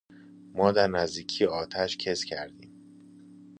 ما در نزدیکی آتش کز کردیم.